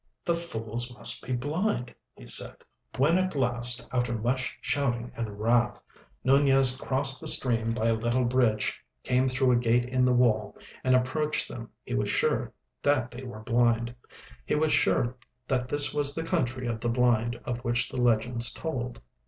"The fools must be blind," he said. When at last, after much shouting and wrath, Nunez crossed the stream by a little bridge, came through a gate in the wall, and approached them, he was sure that they were blind. He was sure that this was the Country of the Blind of which the legends told.